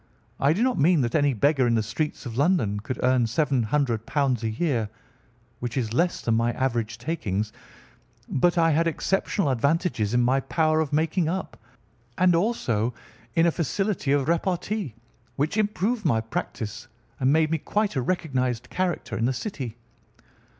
I do not mean that any beggar in the streets of London could earn £ 700 a year—which is less than my average takings—but I had exceptional advantages in my power of making up, and also in a facility of repartee, which improved by practice and made me quite a recognised character in the City.